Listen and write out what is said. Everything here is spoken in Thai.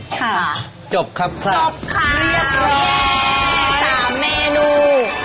ค่ะจบครับซ่าจบค่ะเรียบร้อยตามเมนู